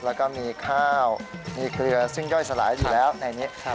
แล้วก็มีข้าวมีเครือซึ่งย่อยสลายอยู่แล้วในนี้